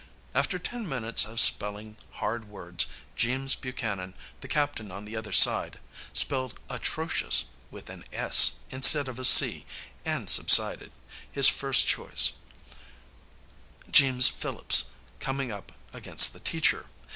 After ten minutes of spelling hard words Jeems Buchanan, the captain on the other side, spelled "atrocious" with an s instead of a c, and subsided, his first choice, Jeems Phillips, coming up against the teacher.